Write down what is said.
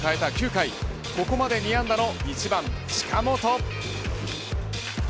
９回ここまで２安打の１番、近本。